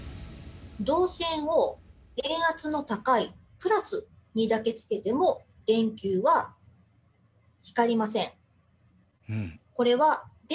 導線を電圧の高い「＋」にだけつけても電球は光りません。